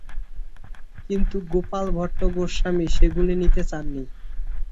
কিন্তু গোপাল ভট্ট গোস্বামী সেগুলি নিতে চাননি।